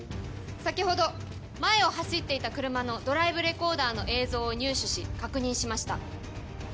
先ほど前を走っていた車のドライブレコーダーの映像を入手し確認しました。